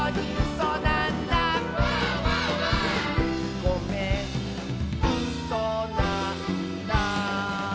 「ごめんうそなんだ」